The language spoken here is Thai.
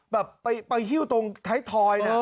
แบบไปหิวตรงจุดขอร์ล